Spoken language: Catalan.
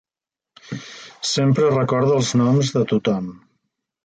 Sempre recorda els noms de tothom.